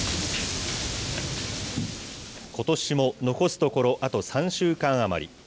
ことしも残すところあと３週間余り。